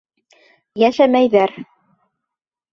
Йәшәмәйҙәр.